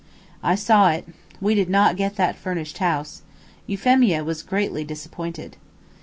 I saw it. We did not get that furnished house. Euphemia was greatly disappointed.